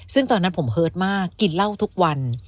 ซึ่งตอนนั้นผมเฮิร์ตมากกินเหล้าทุกวัน